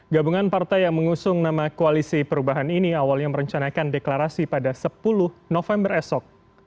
gabungan partai yang mengusung nama koalisi perubahan ini awalnya merencanakan deklarasi pada sepuluh november esok